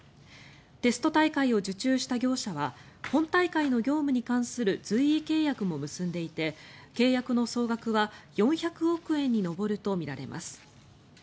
テスト大会を受注した業者は本大会の業務に関する随意契約も結んでいて契約の総額は４００億円に上るとみられます。